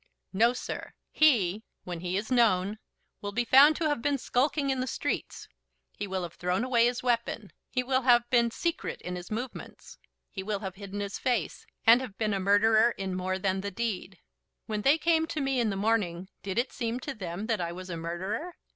"No, sir; he, when he is known, will be found to have been skulking in the streets; he will have thrown away his weapon; he will have been secret in his movements; he will have hidden his face, and have been a murderer in more than the deed. When they came to me in the morning did it seem to them that I was a murderer?